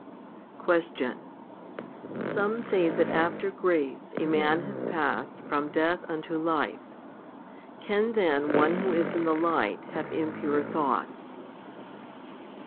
13. Question. Some say that after grace a man has passed from death unto life. Can then one who is in the light have impure thoughts?